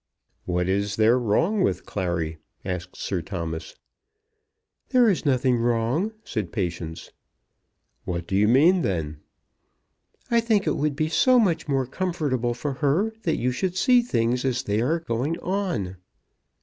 "What is there wrong with Clary?" asked Sir Thomas. "There is nothing wrong," said Patience "What do you mean then?" "I think it would be so much more comfortable for her that you should see things as they are going on."